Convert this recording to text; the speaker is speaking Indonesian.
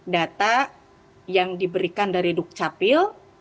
data yang diberikan dari induk capil